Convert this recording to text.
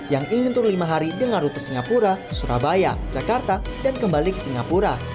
yang ingin turun lima hari di ngaruta singapura surabaya jakarta dan kembali ke singapura